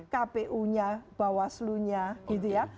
kpu nya bawah selunya gitu ya